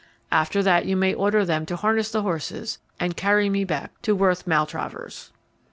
After that you may order them to harness the horses, and carry me back to Worth Maltravers."